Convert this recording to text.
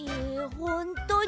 ほんとに？